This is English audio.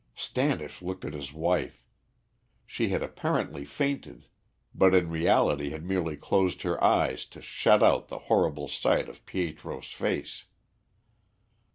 Standish looked at his wife. She had apparently fainted, but in reality had merely closed her eyes to shut out the horrible sight of Pietro's face.